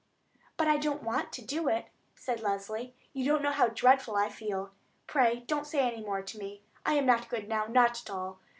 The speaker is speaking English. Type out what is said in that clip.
"But I don't want to do it," said Leslie; "you don't know how dreadful I feel. Pray, don't say any more to me. I am not good now, not at all.